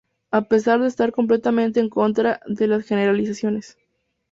A pesar de estar completamente en contra de las generalizaciones